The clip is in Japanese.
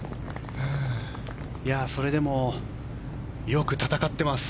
それでもよく戦ってます。